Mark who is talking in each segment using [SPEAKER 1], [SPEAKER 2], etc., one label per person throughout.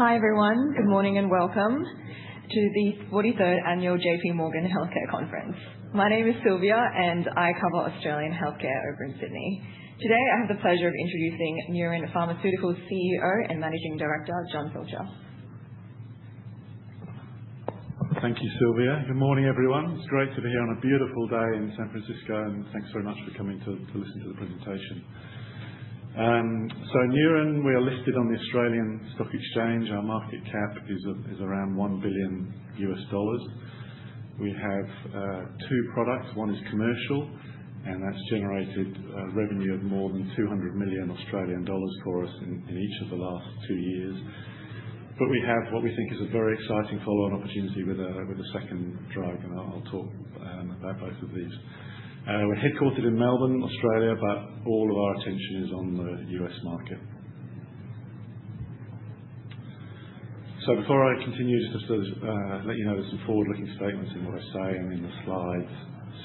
[SPEAKER 1] Hi everyone, good morning and welcome to the 43rd Annual J.P. Morgan Healthcare Conference. My name is Silvia, and I cover Australian healthcare over in Sydney. Today I have the pleasure of introducing Neuren Pharmaceuticals' CEO and Managing Director, Jon Pilcher.
[SPEAKER 2] Thank you, Silvia. Good morning everyone. It's great to be here on a beautiful day in San Francisco, and thanks very much for coming to listen to the presentation, so Neuren, we are listed on the Australian Stock Exchange. Our market cap is around $1 billion. We have two products. One is commercial, and that's generated revenue of more than 200 million Australian dollars for us in each of the last two years, but we have what we think is a very exciting follow-on opportunity with a second drug, and I'll talk about both of these. We're headquartered in Melbourne, Australia, but all of our attention is on the U.S. market, so before I continue, just to let you know there's some forward-looking statements in what I say and in the slides,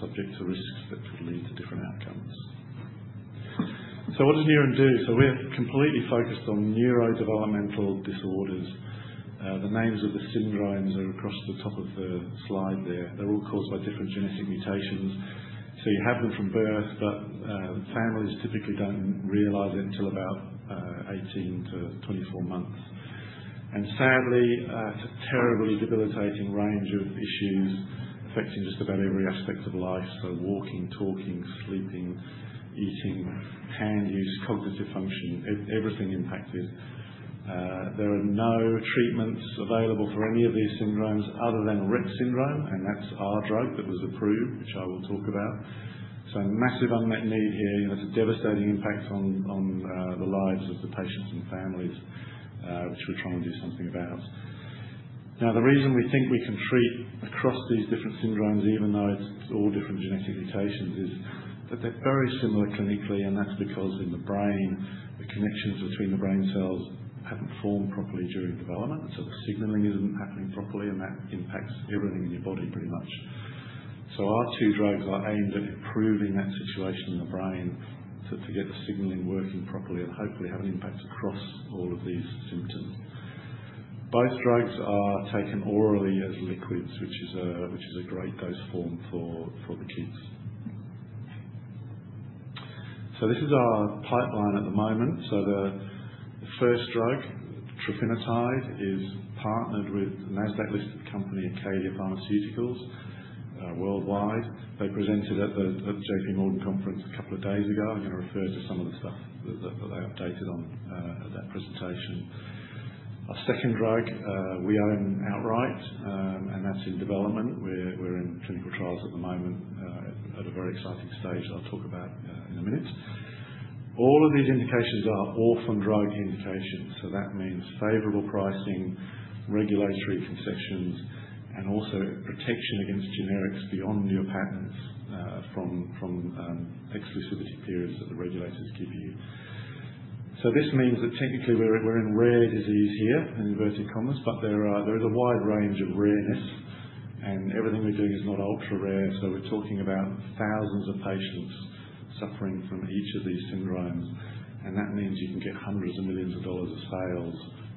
[SPEAKER 2] subject to risks that could lead to different outcomes, so what does Neuren do? We're completely focused on neurodevelopmental disorders. The names of the syndromes are across the top of the slide there. They're all caused by different genetic mutations. You have them from birth, but families typically don't realize it until about 18-24 months. Sadly, it's a terribly debilitating range of issues affecting just about every aspect of life. Walking, talking, sleeping, eating, hand use, cognitive function, everything impacted. There are no treatments available for any of these syndromes other than Rett syndrome, and that's our drug that was approved, which I will talk about. Massive unmet need here, and it's a devastating impact on the lives of the patients and families, which we're trying to do something about. Now, the reason we think we can treat across these different syndromes, even though it's all different genetic mutations, is that they're very similar clinically, and that's because in the brain, the connections between the brain cells haven't formed properly during development. So the signaling isn't happening properly, and that impacts everything in your body pretty much. So our two drugs are aimed at improving that situation in the brain to get the signaling working properly and hopefully have an impact across all of these symptoms. Both drugs are taken orally as liquids, which is a great dose form for the kids. So this is our pipeline at the moment. So the first drug, trofinetide, is partnered with the Nasdaq-listed company Acadia Pharmaceuticals worldwide. They presented at the J.P. Morgan Conference a couple of days ago. I'm going to refer to some of the stuff that they updated on at that presentation. Our second drug we own outright, and that's in development. We're in clinical trials at the moment at a very exciting stage that I'll talk about in a minute. All of these indications are orphan drug indications. So that means favorable pricing, regulatory concessions, and also protection against generics beyond your patents from exclusivity periods that the regulators give you. So this means that technically we're in rare disease here, in inverted commas, but there is a wide range of rareness, and everything we're doing is not ultra rare. So we're talking about thousands of patients suffering from each of these syndromes, and that means you can get hundreds of millions of dollars of sales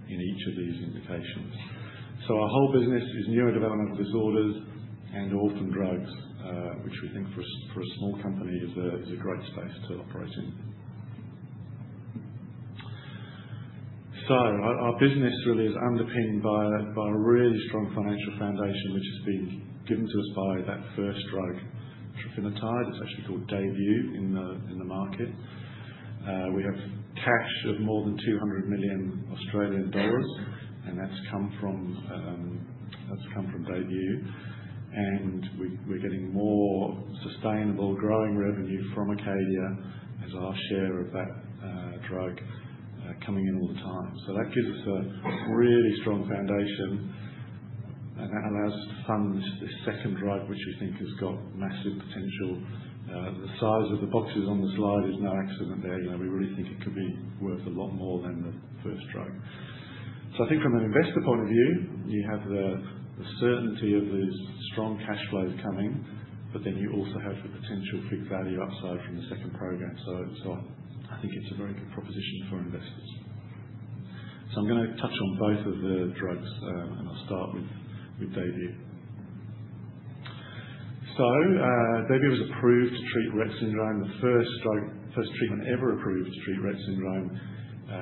[SPEAKER 2] in each of these indications. So our whole business is neurodevelopmental disorders and orphan drugs, which we think for a small company is a great space to operate in. Our business really is underpinned by a really strong financial foundation, which has been given to us by that first drug, trofinetide. It's actually called Daybue in the market. We have cash of more than 200 million Australian dollars, and that's come from Daybue. We're getting more sustainable, growing revenue from Acadia as our share of that drug coming in all the time. That gives us a really strong foundation, and that allows us to fund this second drug, which we think has got massive potential. The size of the boxes on the slide is no accident there. We really think it could be worth a lot more than the first drug. So I think from an investor point of view, you have the certainty of these strong cash flows coming, but then you also have the potential for value upside from the second program. So I think it's a very good proposition for investors. So I'm going to touch on both of the drugs, and I'll start with Daybue. So Daybue was approved to treat Rett syndrome, the first treatment ever approved to treat Rett syndrome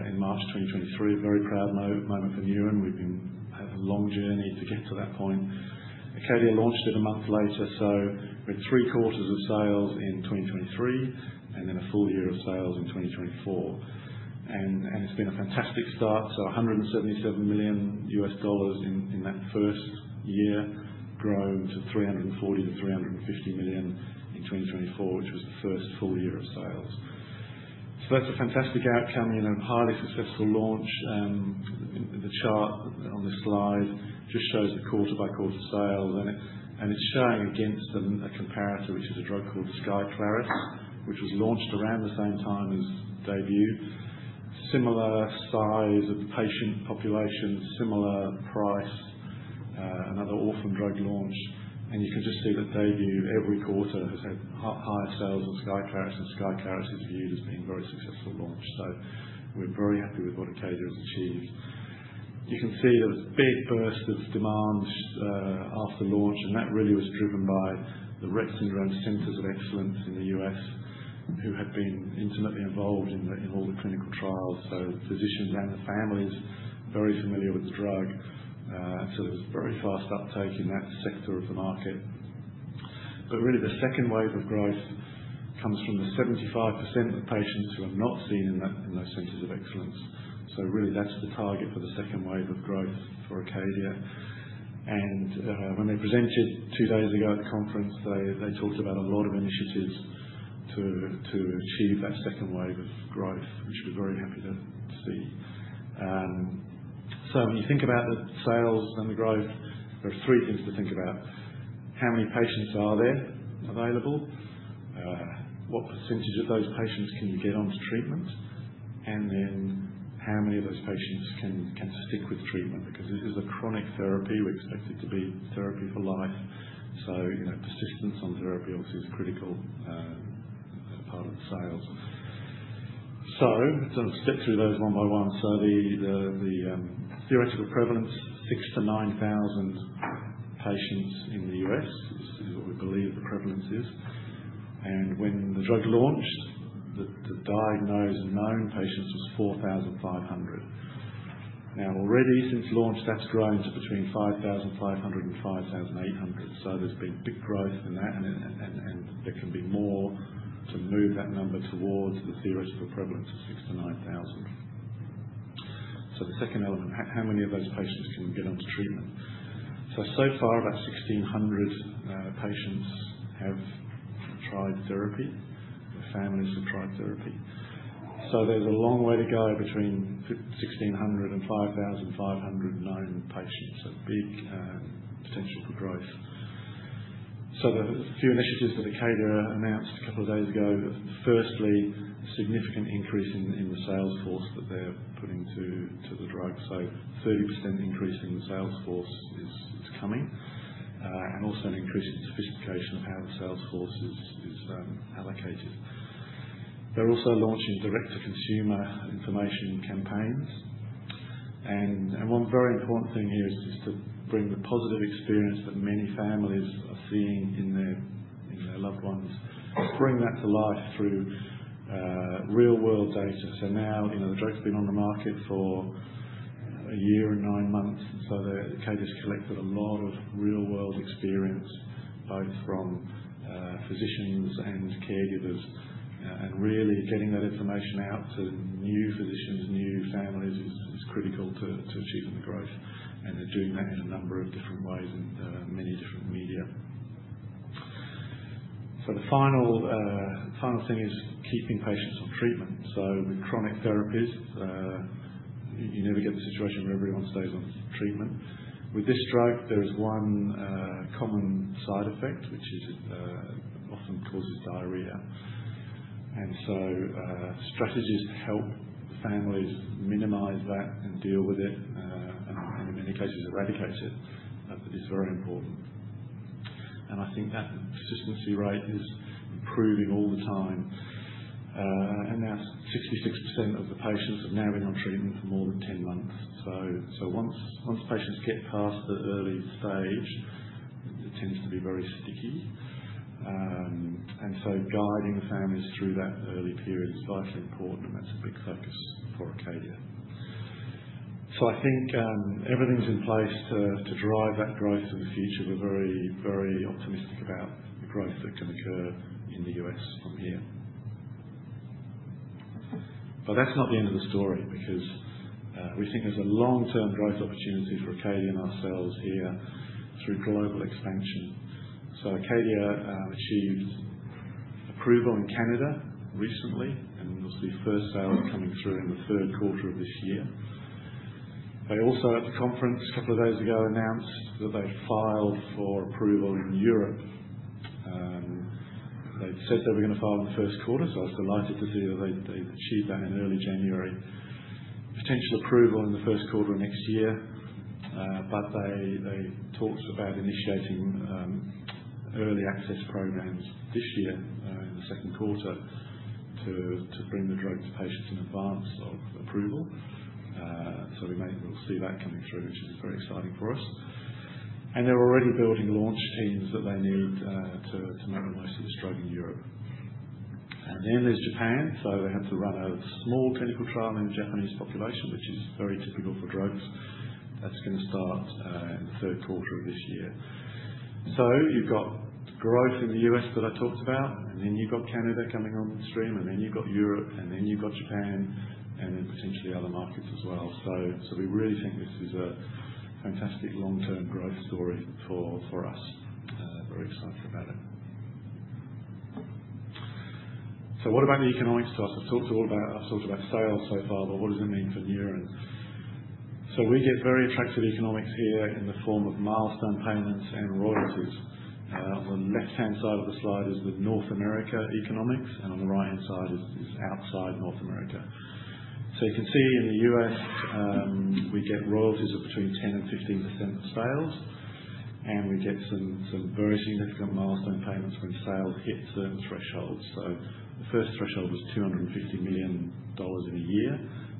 [SPEAKER 2] in March 2023. A very proud moment for Neuren. We've been a long journey to get to that point. Acadia launched it a month later, so we had three quarters of sales in 2023 and then a full year of sales in 2024. And it's been a fantastic start. So $177 million in that first year grown to $340 million-$350 million in 2024, which was the first full year of sales. That's a fantastic outcome, a highly successful launch. The chart on this slide just shows the quarter-by-quarter sales, and it's showing against a comparator, which is a drug called Skyclarys, which was launched around the same time as Daybue. Similar size of patient population, similar price, another orphan drug launch. You can just see that Daybue, every quarter, has had higher sales than Skyclarys, and Skyclarys is viewed as being a very successful launch. We're very happy with what Acadia has achieved. You can see there was a big burst of demand after launch, and that really was driven by the Rett Syndrome Centers of Excellence in the U.S., who have been intimately involved in all the clinical trials. Physicians and the families are very familiar with the drug. There was a very fast uptake in that sector of the market. But really, the second wave of growth comes from the 75% of patients who are not seen in those centers of excellence. So really, that's the target for the second wave of growth for Acadia. And when they presented two days ago at the conference, they talked about a lot of initiatives to achieve that second wave of growth, which we're very happy to see. So when you think about the sales and the growth, there are three things to think about. How many patients are there available? What percentage of those patients can you get onto treatment? And then how many of those patients can stick with treatment? Because this is a chronic therapy. We expect it to be therapy for life. So persistence on therapy obviously is critical part of the sales. So I'll step through those one by one. The theoretical prevalence, 6,000-9,000 patients in the U.S. is what we believe the prevalence is. And when the drug launched, the diagnosed and known patients was 4,500. Now, already since launch, that's grown to between 5,500 and 5,800. So there's been big growth in that, and there can be more to move that number towards the theoretical prevalence of 6,000-9,000. So the second element, how many of those patients can get onto treatment? So far, about 1,600 patients have tried therapy. Their families have tried therapy. So there's a long way to go between 1,600 and 5,500 known patients. So big potential for growth. So there are a few initiatives that Acadia announced a couple of days ago. Firstly, a significant increase in the sales force that they're putting to the drug. a 30% increase in the sales force is coming, and also an increase in sophistication of how the sales force is allocated. They're also launching direct-to-consumer information campaigns. And one very important thing here is just to bring the positive experience that many families are seeing in their loved ones. Bring that to life through real-world data. So now the drug's been on the market for a year and nine months. So Acadia's collected a lot of real-world experience, both from physicians and caregivers. And really getting that information out to new physicians, new families is critical to achieving the growth. And they're doing that in a number of different ways and many different media. So the final thing is keeping patients on treatment. So with chronic therapies, you never get the situation where everyone stays on treatment. With this drug, there is one common side effect, which often causes diarrhea, and so strategies to help families minimize that and deal with it, and in many cases eradicate it, is very important, and I think that persistency rate is improving all the time, and now 66% of the patients have now been on treatment for more than 10 months, so once patients get past the early stage, it tends to be very sticky, and so guiding the families through that early period is vitally important, and that's a big focus for Acadia, so I think everything's in place to drive that growth in the future, we're very optimistic about the growth that can occur in the U.S. from here, but that's not the end of the story, because we think there's a long-term growth opportunity for Acadia and ourselves here through global expansion. Acadia achieved approval in Canada recently, and it was the first sales coming through in the third quarter of this year. They also, at the conference a couple of days ago, announced that they'd filed for approval in Europe. They'd said they were going to file in the first quarter, so I was delighted to see that they'd achieved that in early January. Potential approval in the first quarter of next year. But they talked about initiating early access programs this year in the second quarter to bring the drug to patients in advance of approval. So we'll see that coming through, which is very exciting for us. And they're already building launch teams that they need to make the most of this drug in Europe. And then there's Japan. So they have to run a small clinical trial in the Japanese population, which is very typical for drugs. That's going to start in the third quarter of this year. So you've got growth in the U.S. that I talked about, and then you've got Canada coming on the stream, and then you've got Europe, and then you've got Japan, and then potentially other markets as well. So we really think this is a fantastic long-term growth story for us. Very excited about it. So what about the economics? So I've talked all about sales so far, but what does it mean for Neuren? So we get very attractive economics here in the form of milestone payments and royalties. On the left-hand side of the slide is the North America economics, and on the right-hand side is outside North America. So you can see in the U.S., we get royalties of between 10% and 15% of sales, and we get some very significant milestone payments when sales hit certain thresholds. So the first threshold was $250 million in a year.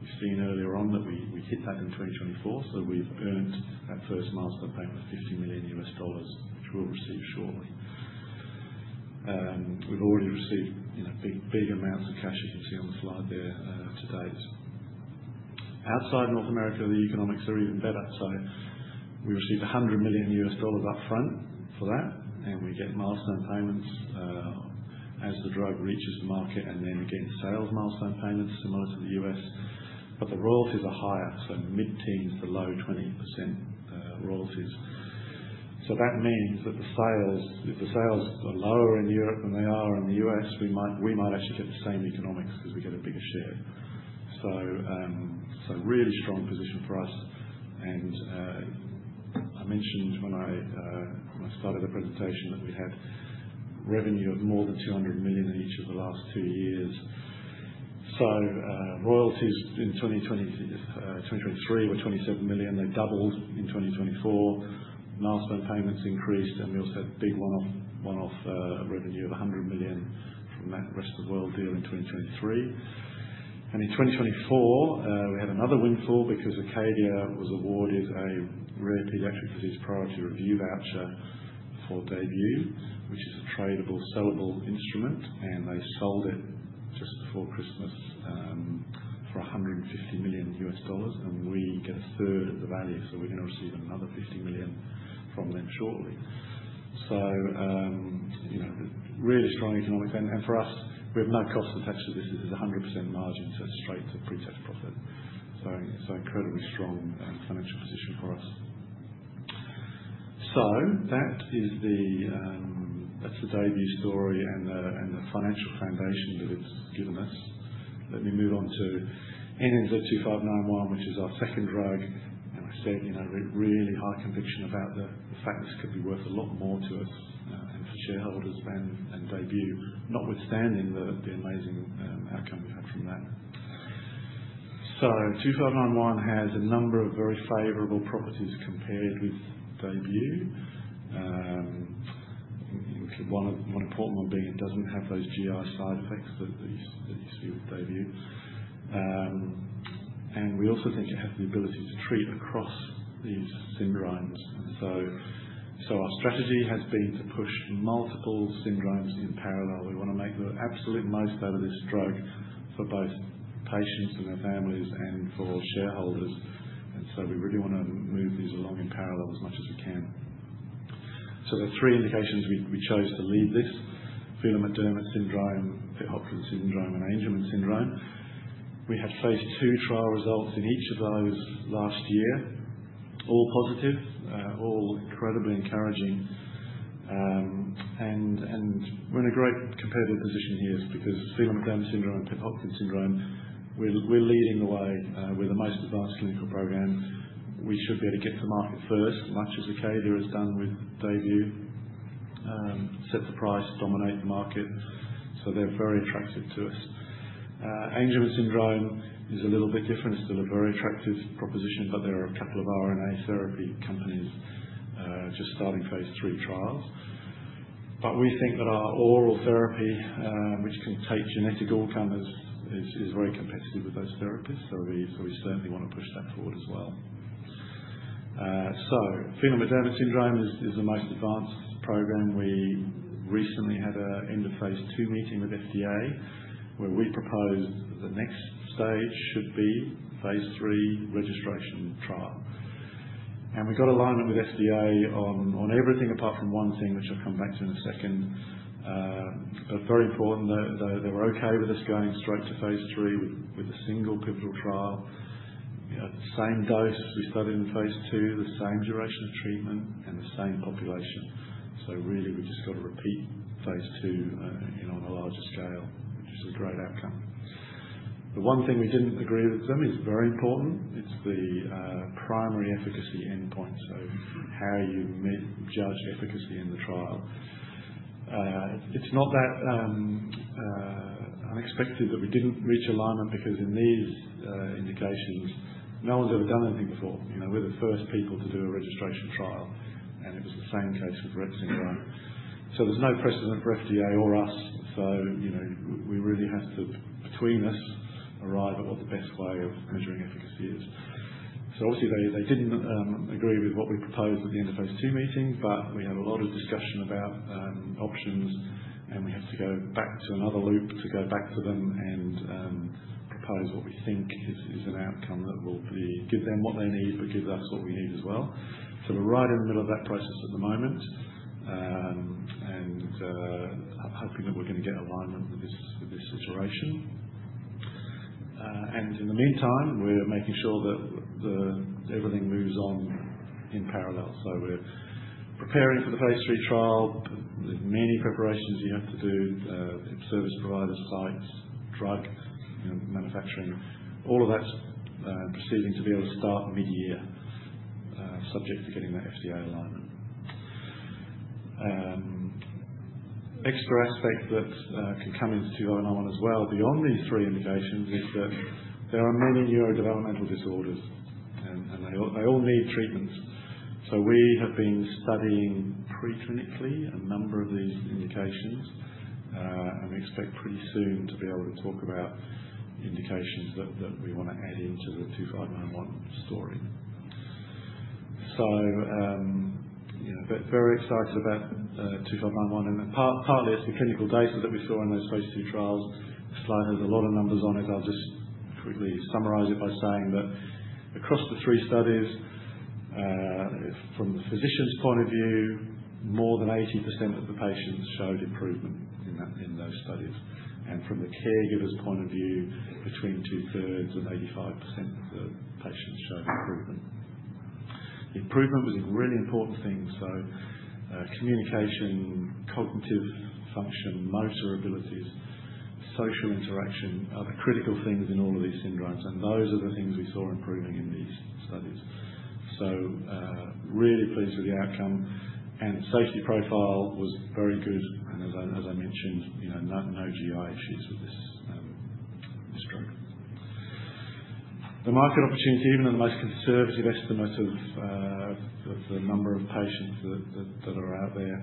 [SPEAKER 2] We've seen earlier on that we hit that in 2024, so we've earned that first milestone payment of $50 million U.S. dollars, which we'll receive shortly. We've already received big amounts of cash, as you can see on the slide there to date. Outside North America, the economics are even better. So we receive $100 million U.S. dollars upfront for that, and we get milestone payments as the drug reaches the market, and then we get sales milestone payments, similar to the U.S. But the royalties are higher, so mid-teens to low 20% royalties. So that means that if the sales are lower in Europe than they are in the U.S., we might actually get the same economics because we get a bigger share. Really strong position for us. I mentioned when I started the presentation that we had revenue of more than $200 million in each of the last two years. Royalties in 2023 were $27 million. They doubled in 2024. Milestone payments increased, and we also had big one-off revenue of $100 million from that rest of the world deal in 2023. In 2024, we had another windfall because Acadia was awarded a Rare Pediatric Disease Priority Review Voucher for Daybue, which is a tradable, sellable instrument, and they sold it just before Christmas for $150 million, and we get a third of the value. We're going to receive another $50 million from them shortly. So really strong economics. And for us, we have no cost attached to this. This is 100% margin, so straight to pre-tax profit. So incredibly strong financial position for us. So that's the Daybue story and the financial foundation that it's given us. Let me move on to NNZ-2591, which is our second drug. And I said really high conviction about the fact this could be worth a lot more to us and for shareholders and Daybue, notwithstanding the amazing outcome we've had from that. So NNZ-2591 has a number of very favorable properties compared with Daybue, one important one being it doesn't have those GI side effects that you see with Daybue. And we also think it has the ability to treat across these syndromes. And so our strategy has been to push multiple syndromes in parallel. We want to make the absolute most out of this drug for both patients and their families and for shareholders. And so we really want to move these along in parallel as much as we can. So there are three indications we chose to lead this: Phelan-McDermid syndrome, Pitt-Hopkins syndrome, and Angelman syndrome. We had phase II trial results in each of those last year, all positive, all incredibly encouraging. And we're in a great competitive position here because Phelan-McDermid syndrome and Pitt-Hopkins syndrome, we're leading the way. We're the most advanced clinical program. We should be able to get to market first, much as Acadia has done with Daybue. Set the price, dominate the market. So they're very attractive to us. Angelman syndrome is a little bit different. It's still a very attractive proposition, but there are a couple of RNA therapy companies just starting phase III trials, so we think that our oral therapy, which can target genetic origin, is very competitive with those therapies, so we certainly want to push that forward as well, so Phelan-McDermid syndrome is the most advanced program. We recently had an end-of-phase II meeting with FDA, where we proposed the next stage should be phase III registration trial, and we've got alignment with FDA on everything apart from one thing, which I'll come back to in a second, but very important, they were okay with us going straight to phase III with a single pivotal trial, the same dose we started in phase II, the same duration of treatment, and the same population. So really, we just got to repeat phase II on a larger scale, which is a great outcome. The one thing we didn't agree with them is very important. It's the primary efficacy endpoint, so how you judge efficacy in the trial. It's not that unexpected that we didn't reach alignment because in these indications, no one's ever done anything before. We're the first people to do a registration trial, and it was the same case with Rett syndrome. So we really have to, between us, arrive at what the best way of measuring efficacy is. Obviously, they didn't agree with what we proposed at the end-of-phase II meeting, but we had a lot of discussion about options, and we have to go back to another loop to go back to them and propose what we think is an outcome that will give them what they need, but give us what we need as well. We're right in the middle of that process at the moment and hoping that we're going to get alignment with this iteration. In the meantime, we're making sure that everything moves on in parallel. We're preparing for the phase III trial. There are many preparations you have to do: service providers, sites, drug manufacturing. All of that's proceeding to be able to start mid-year, subject to getting that FDA alignment. Extra aspect that can come into 2591 as well, beyond these three indications, is that there are many neurodevelopmental disorders, and they all need treatment, so we have been studying preclinically a number of these indications, and we expect pretty soon to be able to talk about indications that we want to add into the 2591 story, so very excited about 2591, and partly it's the clinical data that we saw in those phase II trials. The slide has a lot of numbers on it. I'll just quickly summarize it by saying that across the three studies, from the physician's point of view, more than 80% of the patients showed improvement in those studies, and from the caregiver's point of view, between two-thirds and 85% of the patients showed improvement. Improvement was a really important thing. So communication, cognitive function, motor abilities, social interaction are the critical things in all of these syndromes, and those are the things we saw improving in these studies. So really pleased with the outcome. And the safety profile was very good, and as I mentioned, no GI issues with this drug. The market opportunity, even in the most conservative estimate of the number of patients that are out there,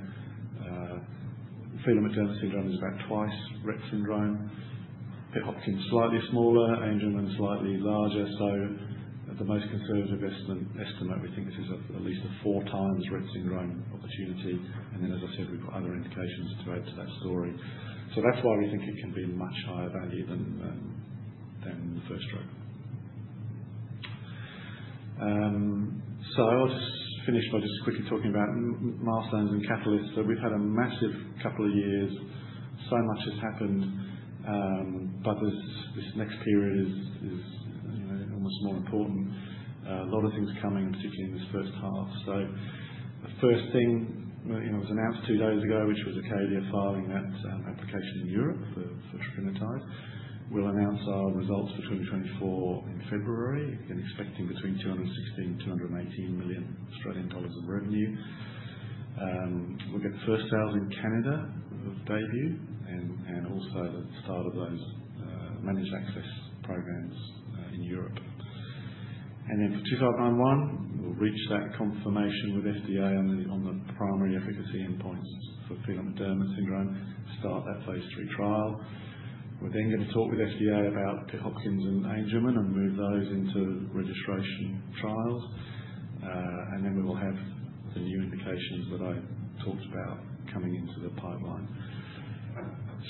[SPEAKER 2] Phelan-McDermid syndrome is about twice Rett syndrome. Pitt-Hopkins is slightly smaller, Angelman is slightly larger. So the most conservative estimate, we think, is at least a four-times Rett syndrome opportunity. And then, as I said, we've got other indications to add to that story. So that's why we think it can be much higher value than the first drug. So I'll just finish by just quickly talking about milestones and catalysts. So we've had a massive couple of years. So much has happened, but this next period is almost more important. A lot of things coming, particularly in this first half. The first thing was announced two days ago, which was Acadia filing that application in Europe for trofinetide. We'll announce our results for 2024 in February, expecting between 216 million Australian dollars and 218 million Australian dollars of revenue. We'll get the first sales in Canada of Daybue and also the start of those managed access programs in Europe. For NNZ-2591, we'll reach that confirmation with FDA on the primary efficacy endpoints for Phelan-McDermid syndrome, start that phase III trial. We're then going to talk with FDA about Pitt-Hopkins syndrome and Angelman syndrome and move those into registration trials. We will have the new indications that I talked about coming into the pipeline.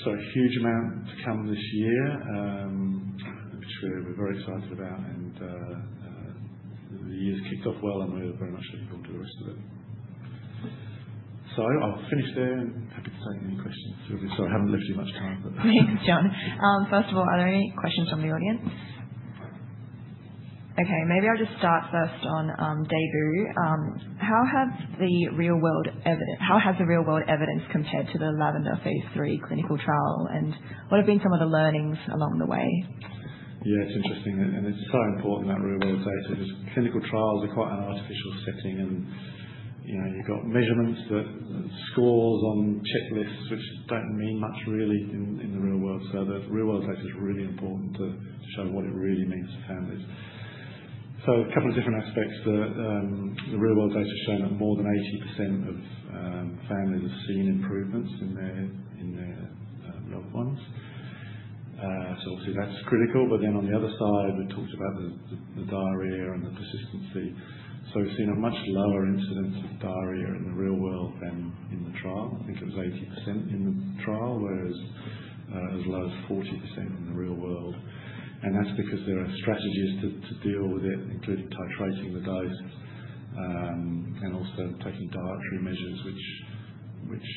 [SPEAKER 2] So a huge amount to come this year, which we're very excited about, and the year's kicked off well, and we're very much looking forward to the rest of it. So I'll finish there and happy to take any questions. Sorry, I haven't left you much time, but.
[SPEAKER 1] Thanks, Jon. First of all, are there any questions from the audience? Okay, maybe I'll just start first on Daybue. How has the real-world evidence compared to the Lavender phase III clinical trial? And what have been some of the learnings along the way?
[SPEAKER 2] Yeah, it's interesting, and it's so important, that real-world data. Clinical trials are quite an artificial setting, and you've got measurements that scores on checklists, which don't mean much really in the real world. So the real-world data is really important to show what it really means to families. So a couple of different aspects. The real-world data has shown that more than 80% of families have seen improvements in their loved ones. So obviously, that's critical. But then on the other side, we talked about the diarrhea and the persistency. So we've seen a much lower incidence of diarrhea in the real world than in the trial. I think it was 80% in the trial, whereas as low as 40% in the real world. And that's because there are strategies to deal with it, including titrating the dose and also taking dietary measures which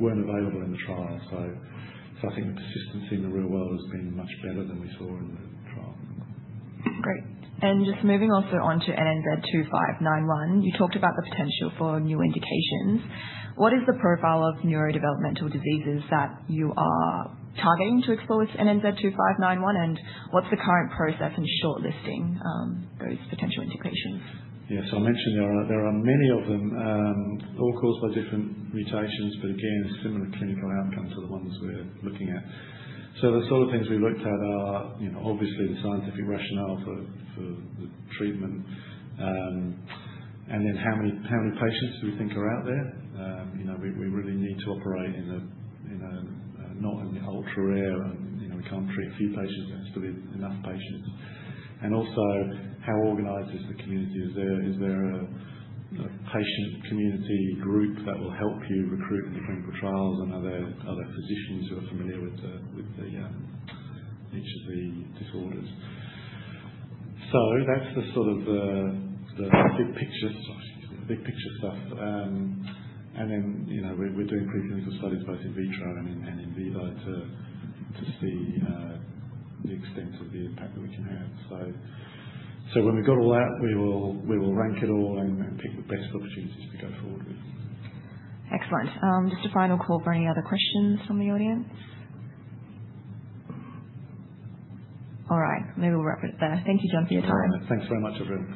[SPEAKER 2] weren't available in the trial. So I think the persistency in the real world has been much better than we saw in the trial.
[SPEAKER 1] Great. Just moving also on to NNZ-2591, you talked about the potential for new indications. What is the profile of neurodevelopmental diseases that you are targeting to explore with NNZ-2591, and what's the current process in shortlisting those potential indications?
[SPEAKER 2] Yeah, so I mentioned there are many of them, all caused by different mutations, but again, similar clinical outcomes are the ones we're looking at. So the sort of things we looked at are obviously the scientific rationale for the treatment and then how many patients we think are out there. We really need to operate in, not an ultra-rare, and we can't treat a few patients. There has to be enough patients. And also, how organized is the community? Is there a patient community group that will help you recruit in the clinical trials and other physicians who are familiar with each of the disorders? So that's the sort of the big picture, sorry, the big picture stuff. And then we're doing preclinical studies both in vitro and in vivo to see the extent of the impact that we can have. So when we've got all that, we will rank it all and pick the best opportunities to go forward with.
[SPEAKER 1] Excellent. Just a final call for any other questions from the audience? All right. Maybe we'll wrap it up there. Thank you, Jon, for your time.
[SPEAKER 2] Thanks very much everyone.